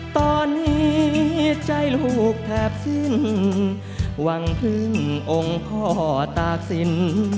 ตอนนี้ใจลูกแทบสิ้นหวังพึ่งองค์พ่อตากศิลป์